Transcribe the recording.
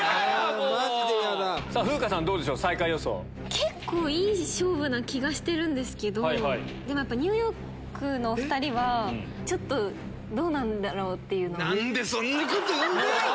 結構いい勝負な気がしてるんですけどニューヨークのお２人はちょっとどうなんだろう？って。